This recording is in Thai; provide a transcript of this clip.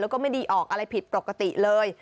แล้วก็ไม่ดีออกอะไรผิดปกติเลย